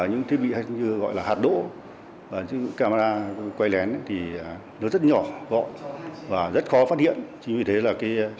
những thiết bị hay như gọi là